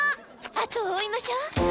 後を追いましょう！